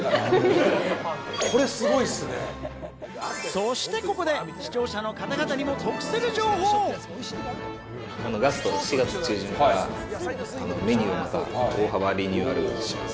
そして、ここで視聴者の方々ガストは４月中旬から、メニューをまた、大幅リニューアルします。